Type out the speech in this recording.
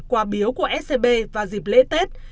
quà biếu của scb và dịp lễ tết